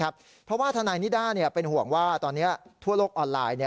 เพราะว่าทนายนิด้าเป็นห่วงว่าตอนนี้ทั่วโลกออนไลน์